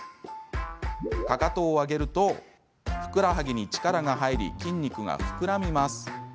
かかとを上げるとふくらはぎに力が入り筋肉が膨らみます。